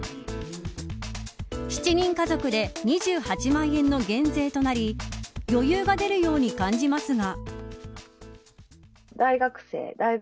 ７人家族で２８万円の減税となり余裕が出るように感じますが。